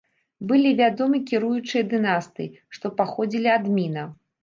Былі вядомы кіруючыя дынастыі, што паходзілі ад міна.